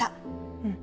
うん。